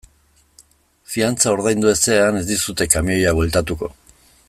Fidantza ordaindu ezean ez dizute kamioia bueltatuko.